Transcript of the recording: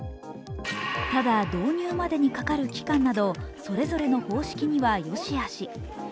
ただ、導入までにかかる期間などそれぞれの方式には善しあし。